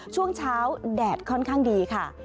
ช่วงเช้าแดดค่อนข้างดีค่ะ